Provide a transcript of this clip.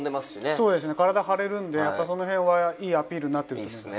そうですね、体張れるんで、やっぱ、そのへんはいいアピールになってますね。